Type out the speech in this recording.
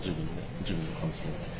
自分の感想。